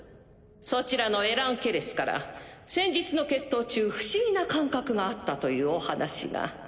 そちらのエラン・ケレスから先日の決闘中不思議な感覚があったというお話が。